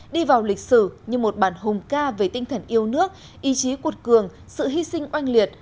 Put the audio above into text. đi vào lịch sử như một bản hùng ca về tinh thần yêu nước ý chí cuột cường sự hy sinh oanh liệt